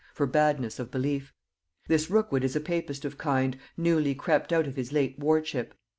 for badness of belief. This Rookwood is a papist of kind, newly crept out of his late wardship.